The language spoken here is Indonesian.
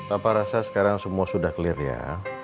apa rasa sekarang semua sudah clear ya